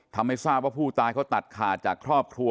ทำให้ทราบว่าผู้ตายเขาตัดขาดจากครอบครัว